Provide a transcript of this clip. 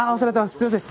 すいません